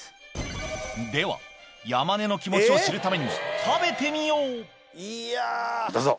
ではヤマネの気持ちを知るためには食べてみようどうぞ！